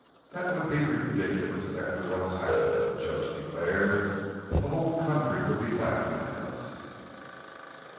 "That would be ridiculous, after what has happened," the judge declared. "The whole country would be laughing at us.